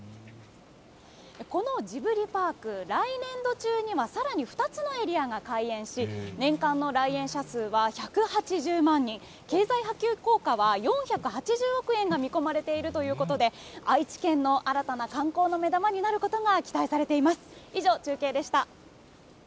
このジブリパーク、来年度中にはさらに２つのエリアが開園し、年間の来園者数は１８０万人、経済波及効果は４８０億円が見込まれているということで、愛知県の新たな観光の目玉になることが期待されています。